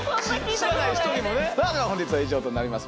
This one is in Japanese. さあでは本日は以上となります